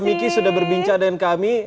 miki sudah berbincang dengan kami